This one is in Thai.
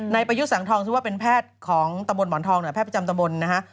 ประยุทธ์สังทองซึ่งว่าเป็นแพทย์ของตำบลหมอนทองเนี่ยแพทย์ประจำตำบลนะฮะ